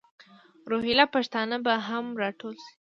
روهیله پښتانه به هم را ټول شي.